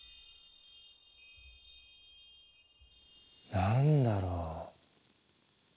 何だろう？